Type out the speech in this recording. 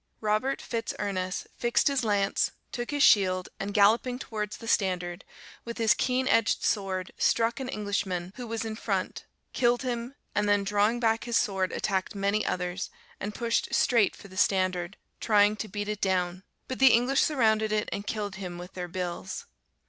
"Robert Fitz Erneis fixed his lance, took his shield, and, galloping towards the standard, with his keen edged sword struck an Englishman who was in front, killed him, and then drawing back his sword, attacked many others, and pushed straight for the standard, trying to beat it down, but the English surrounded it, and killed him with their bills.